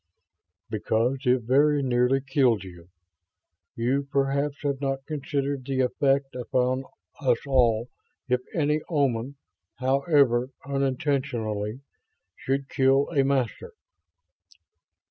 "Because it very nearly killed you. You perhaps have not considered the effect upon us all if any Oman, however unintentionally, should kill a Master?"